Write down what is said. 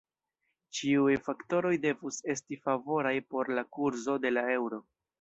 Ĉiuj faktoroj devus esti favoraj por la kurzo de la eŭro.